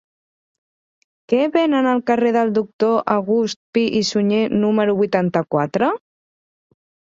Què venen al carrer del Doctor August Pi i Sunyer número vuitanta-quatre?